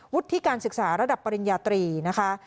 ที่การศึกษาระดับปริญญาตรีนะคะ